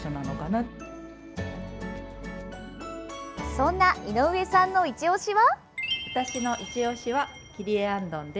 そんな井上さんのいちオシは？